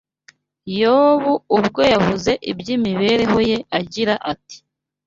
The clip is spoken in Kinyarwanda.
Yobu ubwe yavuze iby’imibereho ye agira ati: